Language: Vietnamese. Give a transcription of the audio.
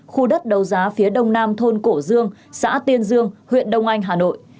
khu đất đấu giá phía đông nam thôn cổ dương xã tiên dương huyện đông anh hà nội